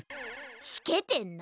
しけてんな。